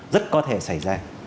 rất có thể xảy ra